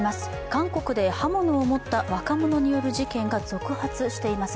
韓国で刃物を持った若者による事件が続発しています。